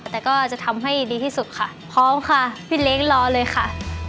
แต่ก็จะทำให้ดีที่สุดค่ะพร้อมค่ะพี่เล็กรอเลยค่ะ